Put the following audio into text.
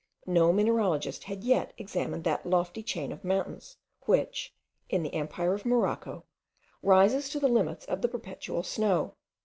No mineralogist had yet examined that lofty chain of mountains which, in the empire of Morocco, rises to the limits of the perpetual snow.